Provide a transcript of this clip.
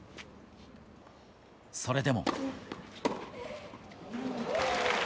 それでも。